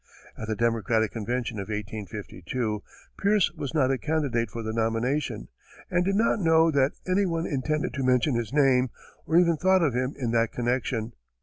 At the Democratic convention of 1852, Pierce was not a candidate for the nomination, and did not know that any one intended to mention his name, or even thought of him in that connection.